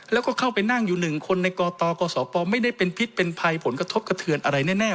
แล้วก็เข้าไปนั่งอยู่หนึ่งคนในกตกศปไม่ได้เป็นพิษเป็นภัยผลกระทบกระเทือนอะไรแน่